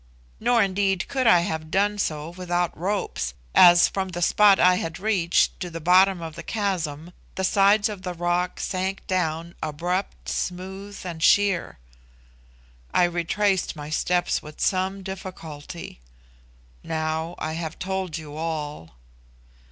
Nor indeed could I have done so without ropes, as from the spot I had reached to the bottom of the chasm the sides of the rock sank down abrupt, smooth, and sheer. I retraced my steps with some difficulty. Now I have told you all."